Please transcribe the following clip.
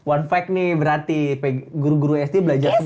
one fact nih berarti guru guru sd belajar semua